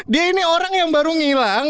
dia ini orang yang baru ngilang